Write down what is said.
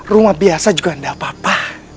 rumah biasa juga enggak apa apa